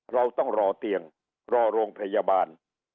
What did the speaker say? เราต้องรอเตียงรอโรงพยาบาล